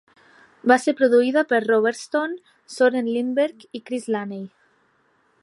Va ser produïda per Robertson, Soren Lindberg i Chris Laney.